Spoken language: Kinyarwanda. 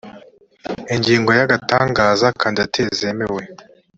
ingingo ya gutangaza kandidatire zemewe